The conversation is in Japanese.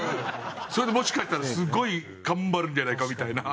それでもしかしたらすごい頑張るんじゃないかみたいな。